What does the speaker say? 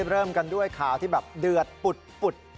เริ่มกันด้วยข่าวที่แบบเดือดปุด